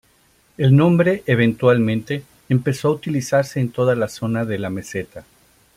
El nombre eventualmente empezó a utilizarse en toda la zona de la meseta.